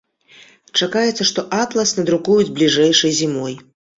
Чакаецца, што атлас надрукуюць бліжэйшай зімой.